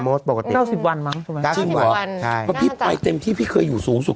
โมสท์ปกติ๙๐วันมั้งจริงป่ะ๙๐วันใช่ว่ะเพราะพี่ไปเต็มที่พี่เคยอยู่สูงสุด